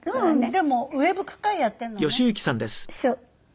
でもウェブ句会やってるのね。